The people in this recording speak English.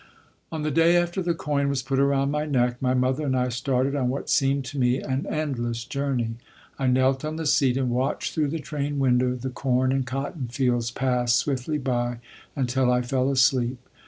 On the day after the coin was put around my neck my mother and I started on what seemed to me an endless journey. I knelt on the seat and watched through the train window the corn and cotton fields pass swiftly by until I fell asleep.